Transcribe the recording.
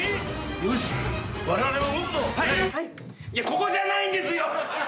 ここじゃないんですよ！